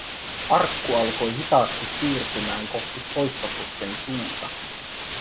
Arkku alkoi hitaasti siirtymään kohti poistoputken suuta.